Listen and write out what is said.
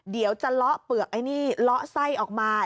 เดี๋ยวจะเลาะเปลือกไอ้นี่เลาะไส้ออกมา